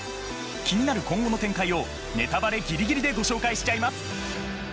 気になる今後の展開をネタバレぎりぎりでご紹介しちゃいます。